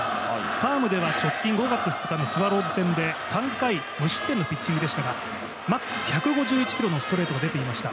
ファームでは直近のスワローズ戦で３回無失点のピッチングでしたがマックス１５１キロのストレートが出ていました。